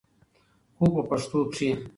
خو په پښتو کښې